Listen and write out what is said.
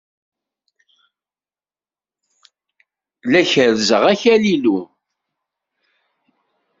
La kerrzeɣ akal-inu.